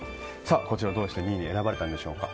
こちらはどうして２位に選ばれたんでしょうか。